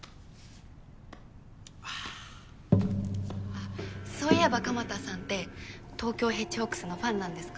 あそういえば蒲田さんって東京ヘッジホッグスのファンなんですか？